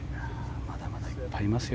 まだまだいっぱいいますよ